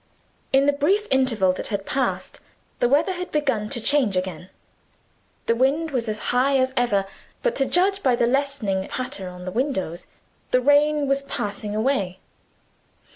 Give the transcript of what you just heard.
In the brief interval that had passed, the weather had begun to change again. The wind was as high as ever; but to judge by the lessening patter on the windows the rain was passing away.